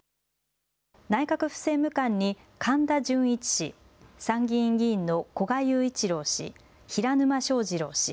内閣府政務官に神田潤一氏、参議院議員の古賀友一郎氏、平沼正二郎氏。